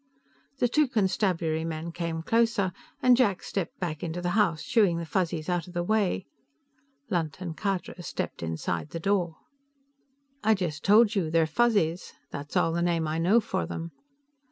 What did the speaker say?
The two Constabulary men came closer, and Jack stepped back into the house, shooing the Fuzzies out of the way. Lunt and Khadra stopped inside the door. "I just told you. They're Fuzzies. That's all the name I know for them."